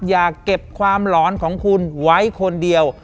อย่าเก็บความหลอนของคุณไว้คนเดียว